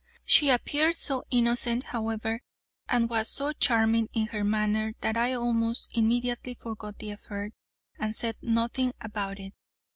She appeared so innocent, however, and was so charming in her manner that I almost immediately forgot the affair, and said nothing about it.